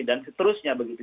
dan seterusnya begitu